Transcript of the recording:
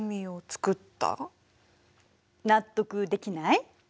納得できない？